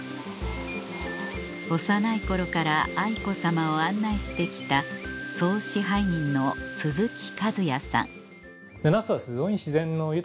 幼い頃から愛子さまを案内して来た総支配人の鈴木和也さん